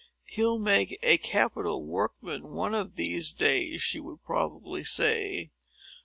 "He'll make a capital workman, one of these days," she would probably say.